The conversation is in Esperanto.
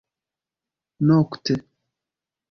nokte